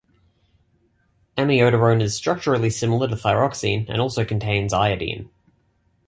Amiodarone is structurally similar to thyroxine and also contains iodine.